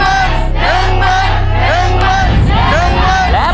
ปล่อยเร็วเร็ว